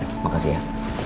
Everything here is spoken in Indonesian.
terima kasih ya